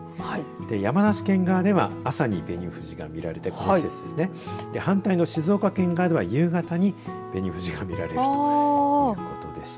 山梨県側では朝に紅富士が見られて反対の静岡県側では夕方に紅富士が見られるということでした。